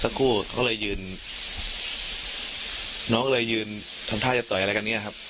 คู่เขาเลยยืนน้องก็เลยยืนทำท่าจะต่อยอะไรกันเนี่ยครับ